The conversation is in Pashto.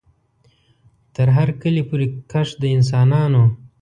تر هر کلي پوري کښ د انسانانو